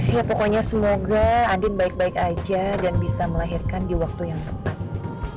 ya pokoknya semoga adin baik baik aja dan bisa melahirkan di waktu yang tepat